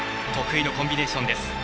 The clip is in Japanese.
得意のコンビネーションです。